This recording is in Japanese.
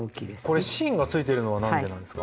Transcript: これ芯がついてるのは何でなんですか？